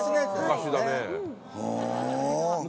昔だね。